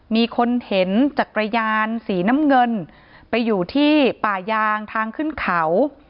มีคนเห็นจักรยานสีน้ำเงินไปอยู่ที่ป่ายางทางขึ้นเขา